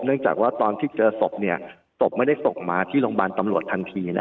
เนื่องจากว่าตอนที่เจอสบสบไม่ได้สบมาที่โรงพยาบาลตำรวจทันที